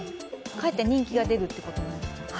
かえって人気が出るということですか？